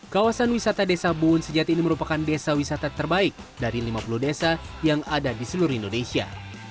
kawasan wisata desa buun sejati ini merupakan desa wisata terbaik dari lima puluh desa yang ada di seluruh indonesia